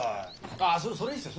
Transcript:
あっそれはいいですよ